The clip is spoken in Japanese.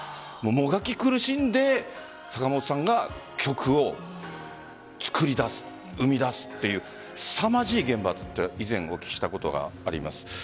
もがき苦しんで坂本さんが曲を作り出す、生み出すというすさまじい現場だと以前、お聞きしたことがあります。